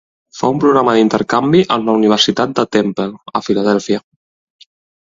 Fa un programa d'intercanvi amb la Universitat de Temple, a Filadèlfia.